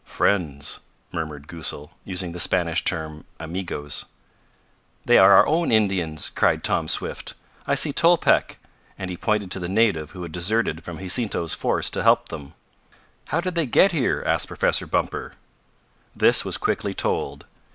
"Friends," murmured Goosal, using the Spanish term, "Amigos." "They are our own Indians!" cried Tom Swift. "I see Tolpec!" and he pointed to the native who had deserted from Jacinto's force to help them. "How did they get here?" asked Professor Bumper. This was quickly told.